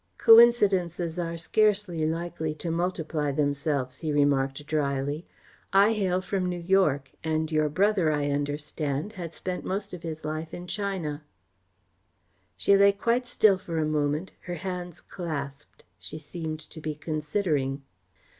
"Coincidences are scarcely likely to multiply themselves," he remarked drily. "I hail from New York and your brother, I understand, had spent most of his life in China." She lay quite still for a moment, her hands clasped. She seemed to be considering.